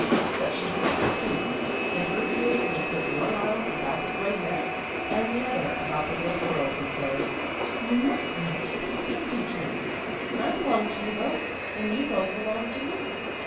But she did not speak. And Gertrude would put one arm about the boy's neck and the other about the little girl's, and say, "You must not speak so, Dietrich. I belong to you both, and you both belong to me."